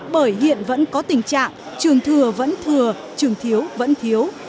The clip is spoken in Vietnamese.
bởi hiện vẫn có tình trạng trường thừa vẫn thừa trường thiếu vẫn thiếu